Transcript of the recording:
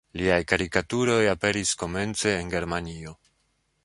Liaj karikaturoj aperis komence en Germanio.